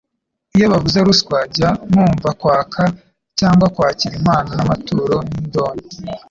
Iyo bavuze ruswa jya wumva kwaka cyangwa kwakira impano, amaturo n'indonke